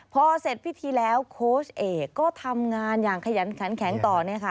พอเสร็จพิธีแล้วโค้ชเอกภาพมันสักครู่ก็ทำงานอย่างขยันแข็งต่อ